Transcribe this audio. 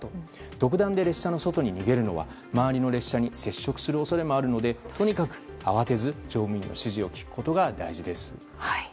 独断で列車の外に逃げるのは周りの列車に接触する恐れもあるので、とにかく慌てず乗務員の指示を聞くことが大事です。